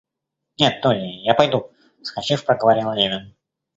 Нет, Долли, я пойду, — вскочив, проговорил Левин.